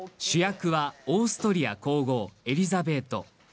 主役はオーストリア皇后エリザベート。